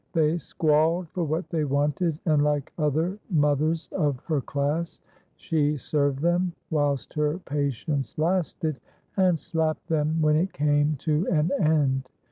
They squalled for what they wanted, and, like other mothers of her class, she served them whilst her patience lasted, and slapped them when it came to an end.